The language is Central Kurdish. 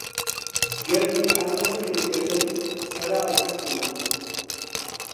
گەر بەنی ئادەم بخنکێتن، سەراوە نەک بناو